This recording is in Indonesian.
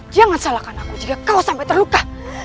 jangan salahkan aku jika kau sampai terluka